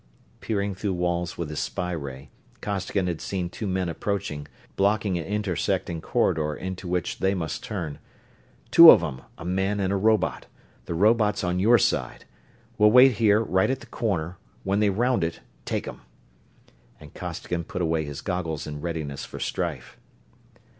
Peering through walls with his spy ray, Costigan had seen two men approaching, blocking an intersecting corridor into which they must turn. "Two of 'em, a man and a robot the robot's on your side. We'll wait here, right at the corner when they round it, take 'em!" And Costigan put away his goggles in readiness for strife.